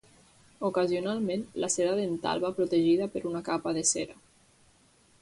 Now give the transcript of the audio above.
Ocasionalment la seda dental va protegida per una capa de cera.